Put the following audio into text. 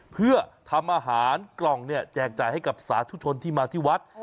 เพื่อทำอาหารกล่องเนี่ยแจกจ่ายให้กับสาธุชนที่มาที่วัด